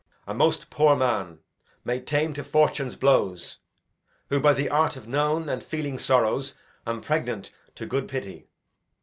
Edg. A most poor man, made tame to fortune's blows, Who, by the art of known and feeling sorrows, Am pregnant to good pity.